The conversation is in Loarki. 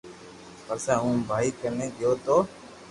پسي ھون ڀائي ڪني گيو تو